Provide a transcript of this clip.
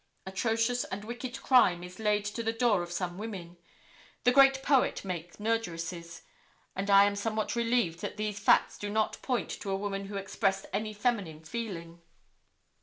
Atrocious and wicked crime is laid to the door of some women. The great poet makes murderesses, and I am somewhat relieved that these facts do not point to a woman who expressed any feminine feeling.